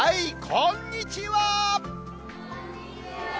こんにちは。